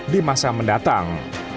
di masa mendatang